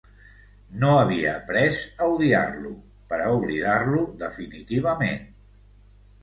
No havia aprés a odiar-lo per a oblidar-lo definitivament.